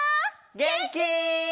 げんき？